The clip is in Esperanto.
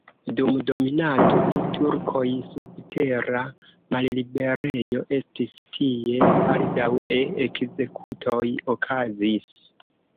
Dum dominado de turkoj subtera malliberejo estis tie, baldaŭe ekzekutoj okazis.